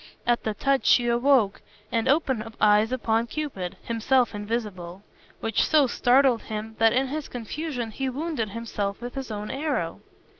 At the touch she awoke, and opened eyes upon Cupid (himself invisible), which so startled him that in his confusion he wounded himself with his own arrow.